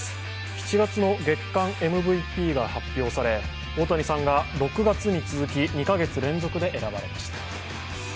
７月の月間ＭＶＰが発表され大谷さんが６月に続き２か月連続で選ばれました。